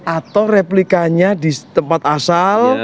atau replikanya di tempat asal